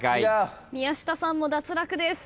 宮下さんも脱落です。